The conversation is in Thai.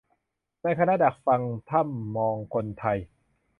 ในคณะดักฟังถ้ำมองคนไทย